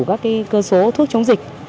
các cơ số thuốc chống dịch